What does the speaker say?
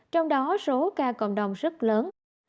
trong đó số ca cộng đồng rất lớn